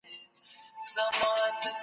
که ميرمن قابله يا غساله وه.